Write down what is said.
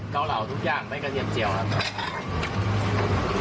เกาเหลาทุกอย่างไม่กระเทียมเจียวครับ